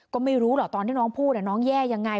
ก็ไม่รู้หรอกตอนที่น้องพูดน้องแย่ยังไง